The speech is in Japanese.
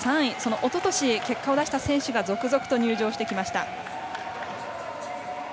おととし結果を出した選手が続々と入場してきました。